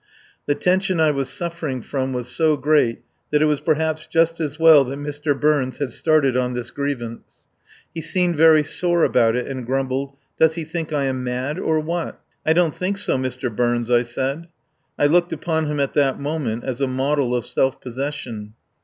The tension I was suffering from was so great that it was perhaps just as well that Mr. Burns had started on his grievance. He seemed very sore about it and grumbled, "Does he think I am mad, or what?" "I don't think so, Mr. Burns," I said. I looked upon him at that moment as a model of self possession.